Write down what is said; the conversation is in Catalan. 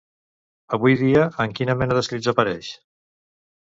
Avui dia, en quina mena d'escrits apareix?